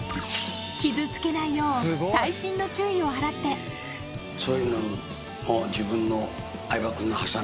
傷つけないよう細心の注意を払って先生に。